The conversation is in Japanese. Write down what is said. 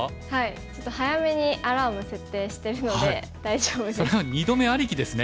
ちょっと早めにアラーム設定してるので大丈夫です。